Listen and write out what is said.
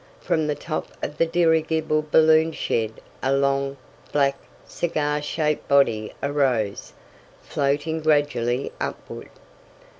From the top of the dirigible balloon shed a long, black, cigar shaped body arose, floating gradually upward.